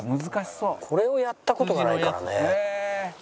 これをやった事がないからね。